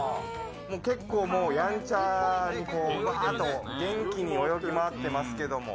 結構やんちゃにバーッと元気に泳ぎ回っていますけども。